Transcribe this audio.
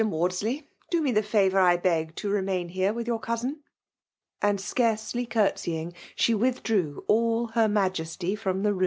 Mandfllfy, do me the Ikrour, Ilieg, to vmaiA here with your cousin." And, acarody cnrtaeying, she withdrew all her majesty Srom the room.